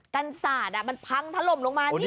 กันสาดมันพังถล่มลงมา